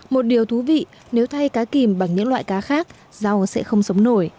một điều thú vị nếu thay cá kìm bằng những loại cá khác rau sẽ không sống nổi